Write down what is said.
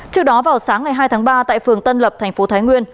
trước đó vào sáng ngày hai tháng ba tại phường tân lập tp thái nguyên